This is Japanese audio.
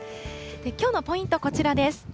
きょうのポイント、こちらです。